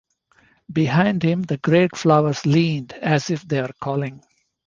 Behind him the great flowers leaned as if they were calling.